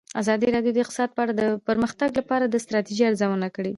ازادي راډیو د اقتصاد په اړه د پرمختګ لپاره د ستراتیژۍ ارزونه کړې.